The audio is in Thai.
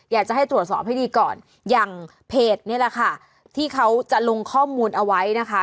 อยากจะให้ตรวจสอบให้ดีก่อนอย่างเพจนี่แหละค่ะที่เขาจะลงข้อมูลเอาไว้นะคะ